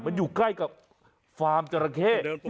มันอยู่ใกล้กับฟาร์มจราเข้